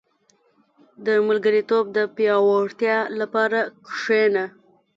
• د ملګرتوب د پياوړتیا لپاره کښېنه.